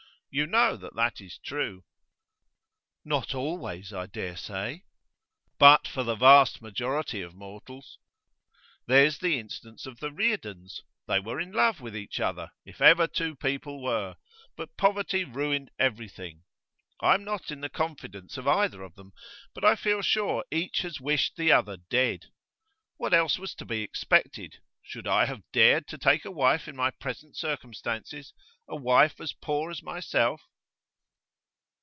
You know that is true.' 'Not always, I dare say.' 'But for the vast majority of mortals. There's the instance of the Reardons. They were in love with each other, if ever two people were; but poverty ruined everything. I am not in the confidence of either of them, but I feel sure each has wished the other dead. What else was to be expected? Should I have dared to take a wife in my present circumstances a wife as poor as myself?